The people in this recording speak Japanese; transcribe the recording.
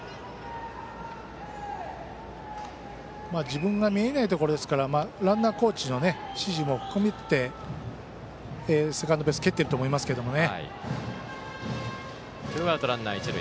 自分が見えないところですからランナーコーチの指示も含めてセカンドベース蹴っていると思いますけどね。